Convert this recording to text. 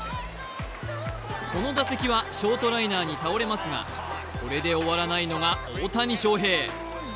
この打席はショートライナーに倒れますがこれで終わらないのが大谷翔平。